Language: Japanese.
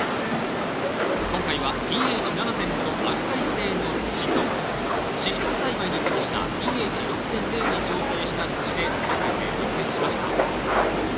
今回はｐＨ７．５のアルカリ性の土とシシトウ栽培に適したｐＨ６．０に調整した土で育てて実験しました。